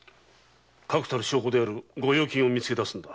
確たる証拠である御用金を見つけだすんだ。